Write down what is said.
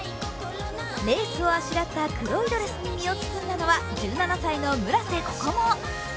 レースをあしらった黒いドレスに身を包んだのは１７歳の村瀬心椛。